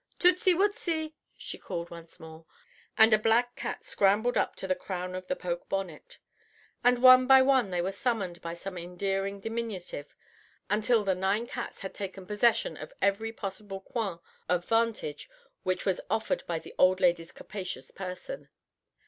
"Tootsy Wootsy," she called once more, and a black cat scrambled up to the crown of the poke bonnet. And one by one they were summoned by some endearing diminutive, until the nine cats had taken possession of every possible coign of vantage which was offered by the old lady's capacious person.